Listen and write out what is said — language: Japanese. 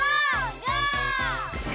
ゴー！